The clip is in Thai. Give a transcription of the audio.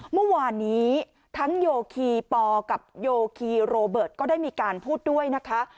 เมื่อวานนี้ทั้งโยคีปอกับโยคีโรเบิร์ตก็ได้มีการพูดด้วยนะคะ